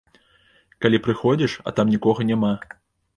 Калі прыходзіш, а там нікога няма.